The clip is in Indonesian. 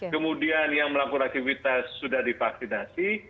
kemudian yang melakukan aktivitas sudah divaksinasi